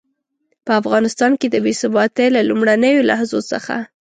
په افغانستان کې د بې ثباتۍ له لومړنيو لحظو څخه.